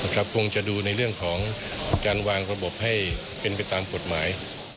คงจะดูในเรื่องของการวางระบบให้เป็นไปตามกฎหมาย